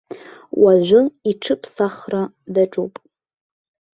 Уажәы иҽыԥсахра даҿуп.